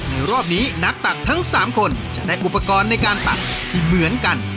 รอบนี้นักตักทั้ง๓คนจะได้อุปกรณ์ในการตักที่เหมือนกัน